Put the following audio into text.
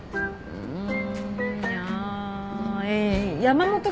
うん。